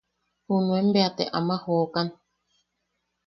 Junuen bea te ama jokan.